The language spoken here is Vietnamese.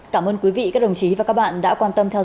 cảm ơn quý vị các đồng chí và các bạn đã quan tâm theo dõi